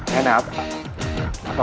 bakal beli setih pak